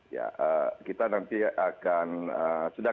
ya kita nanti akan